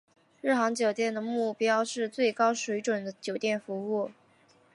日航酒店的目标是最高水准的酒店服务。